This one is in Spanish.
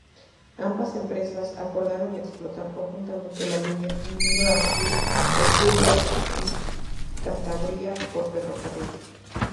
Ambas empresas acordaron explotar conjuntamente la línea uniendo así Asturias y Cantabria por ferrocarril.